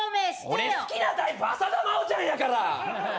俺好きなタイプ浅田真央ちゃんやから！